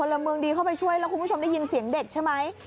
ละเมืองดีเข้าไปช่วยแล้วคุณผู้ชมได้ยินเสียงเด็กใช่ไหม